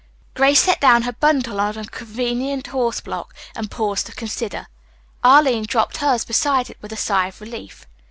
Grace set down her bundle on a convenient horse block and paused to consider. Arline dropped hers beside it with a sigh of relief.